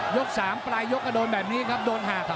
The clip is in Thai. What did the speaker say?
ยก๓ปลายยกกระโดนแบบนี้ครับโดนหัก